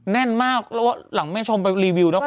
แน่นมากแล้วหลังแม่ชมไปรีวิวนะคะ